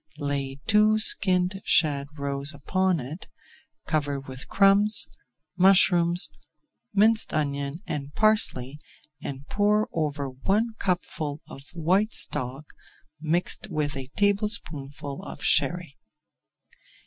Lay two skinned shad roes upon it, cover with crumbs, mushrooms, minced onion, and parsley, and pour over one cupful of white stock mixed with a tablespoonful of Sherry.